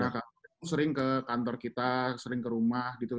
nah kak glenn sering ke kantor kita sering ke rumah gitu